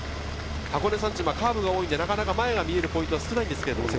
箱根山中はカーブが多いので前が見えるポイントは少ないんですけど。